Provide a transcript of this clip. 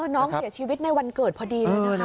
น้องเสียชีวิตในวันเกิดพอดีเลยนะคะ